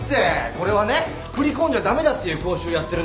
これはね振り込んじゃ駄目だっていう講習やってるんですから。